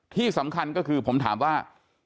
ที่สำคัญก็คือผมถามว่า